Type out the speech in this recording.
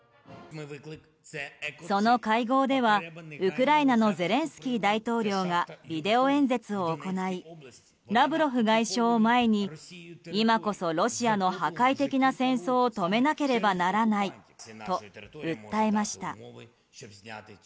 その会合では、ウクライナのゼレンスキー大統領がビデオ演説を行いラブロフ外相を前に今こそロシアの破壊的な戦争を止めなければならないと訴えました。